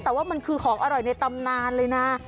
แต่ว่ามันคือของอร่อยในตำนานเลยนะ